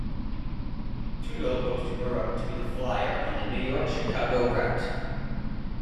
Tootle hopes to grow up to be the Flyer on the New York-Chicago route.